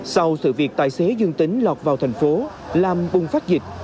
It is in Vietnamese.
sau sự việc tài xế dương tính lọt vào thành phố làm bùng phát dịch